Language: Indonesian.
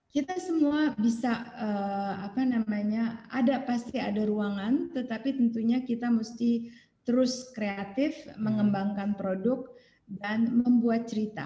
kita semua bisa apa namanya ada pasti ada ruangan tetapi tentunya kita mesti terus kreatif mengembangkan produk dan membuat cerita